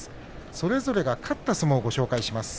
それぞれが勝った相撲をご紹介します。